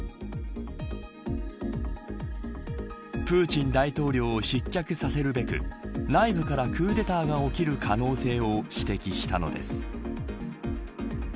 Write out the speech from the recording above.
プーチン大統領を失脚させるべく内部からクーデターが起きる可能性を指摘したのです。